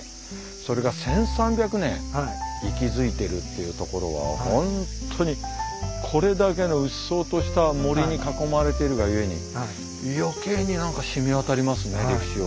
それが１，３００年息づいてるっていうところは本当にこれだけのうっそうとした森に囲まれてるがゆえに余計に何かしみわたりますね歴史を。